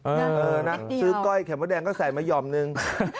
เออน่ะซื้อก้อยไข่มดแดงก็ใส่มายอมหนึ่ง